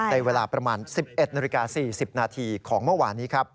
ในเวลาประมาณ๑๑นาฬิกา๔๐นาทีของเมื่อวานนี้ครับ